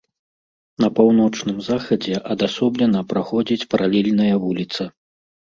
На паўночным захадзе адасоблена праходзіць паралельная вуліца.